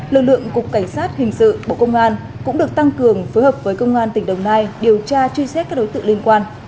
lực lượng cục cảnh sát hình sự bộ công an cũng được tăng cường phối hợp với công an tỉnh đồng nai điều tra truy xét các đối tượng liên quan